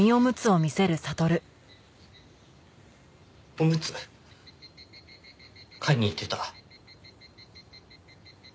オムツ買いに行ってた。